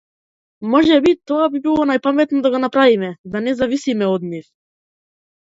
Можеби тоа би било најпаметно да го направиме, да не зависиме од нив.